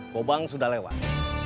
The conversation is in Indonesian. kobang sudah lewat